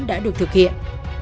đã được thực hiện